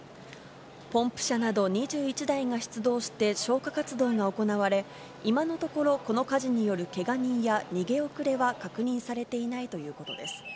ポンプ車など２１台が出動して消火活動が行われ、今のところ、この火事によるけが人や逃げ遅れは確認されていないということです。